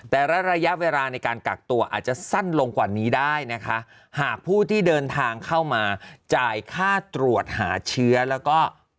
แต่ระยะเวลาในการกักตัวอาจจะสั้นลงกว่านี้ได้นะคะหากผู้ที่เดินทางเข้ามาจ่ายค่าตรวจหาเชื้อแล้วก็